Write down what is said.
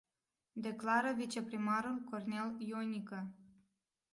Declară viceprimarul Cornel Ionică.